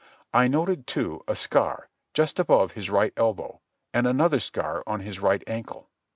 I noted, too, a scar, just above his right elbow, and another scar on his right ankle.